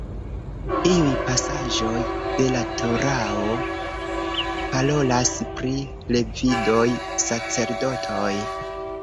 Iuj pasaĵoj de la Torao parolas pri “levidoj sacerdotoj”.